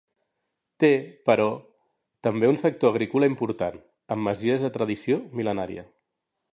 Té, però, també un sector agrícola important, amb masies de tradició mil·lenària.